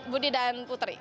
budi dan putri